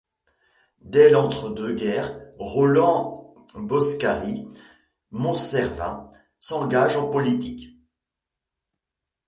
Dès l'entre-deux-guerres, Roland Boscary-Monsservin s'engage en politique.